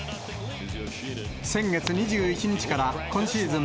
先月２１日から今シーズン